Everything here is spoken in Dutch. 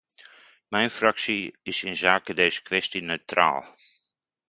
Mijn fractie is inzake deze kwestie neutraal.